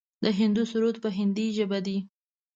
د هندو سرود په هندۍ ژبه دی.